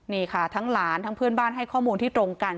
นี่ค่ะทั้งหลานทั้งเพื่อนบ้านให้ข้อมูลที่ตรงกัน